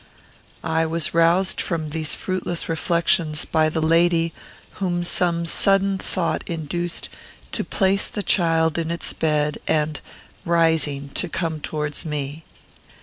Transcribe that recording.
I was roused from these fruitless reflections by the lady, whom some sudden thought induced to place the child in its bed, and, rising, to come towards me.